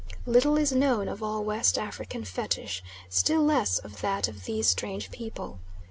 Little is known of all West African fetish, still less of that of these strange people.